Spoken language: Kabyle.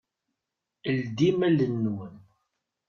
Ldim allen-nwen.